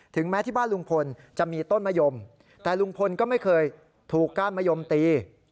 แม้ที่บ้านลุงพลจะมีต้นมะยมแต่ลุงพลก็ไม่เคยถูกก้านมะยมตี